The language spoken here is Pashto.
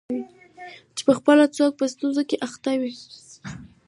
چي پخپله څوک په ستونزه کي اخته وي